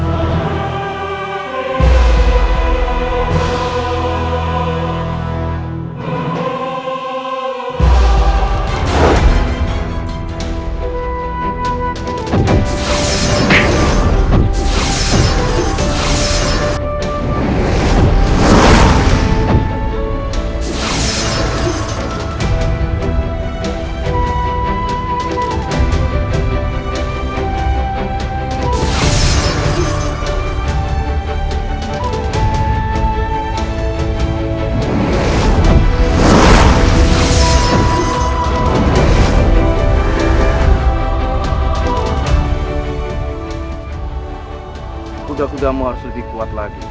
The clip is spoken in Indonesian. untuk menyelamatkan kita lagi